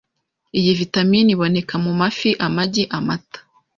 iyi Vitamine iboneka mu mafi, amagi, amata